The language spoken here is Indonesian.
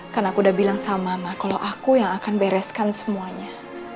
kan aku udah bilang sama ama kalo aku yang akan bereskan semuanya